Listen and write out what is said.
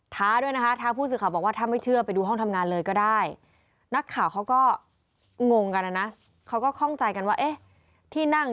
ท้าด้วยนะคะท้าผู้สื่อข่าวบอกว่า